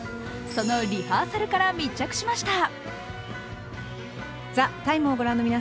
そのリハーサルから密着しました。